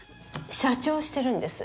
社長をしてるんです。